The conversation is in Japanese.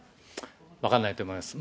分かんないと思います。